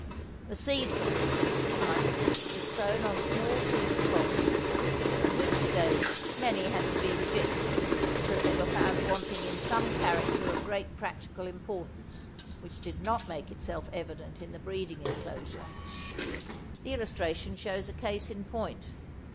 The seed from these fixed types was sown on small field plots, at which stage many had to be rejected because they were found wanting in some character of great practical importance which did not make itself evident in the breeding enclosure. The illustration shows a case in point.